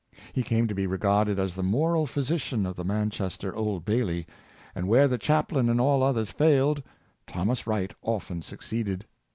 He came to be regarded as the moral physician of the Manchester Old Bailey; and where the chaplain and all others failed, Thomas Wright often succeeded.